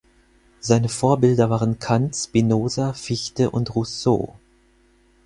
Seine Vorbilder waren Kant, Spinoza, Fichte und Rousseau.